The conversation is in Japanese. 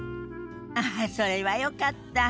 ああそれはよかった。